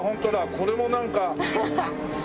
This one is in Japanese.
これもなんか。